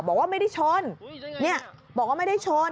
บอกว่าไม่ได้ชนเนี่ยบอกว่าไม่ได้ชน